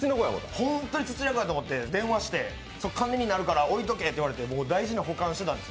ホントにツチノコやと思って電話して金になるから置いとけって、大事に保管してたんです。